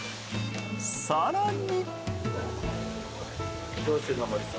更に。